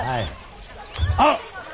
あっ！